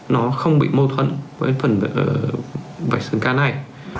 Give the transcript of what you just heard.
nó không bị mâu thuẫn với phần vạch xương cá này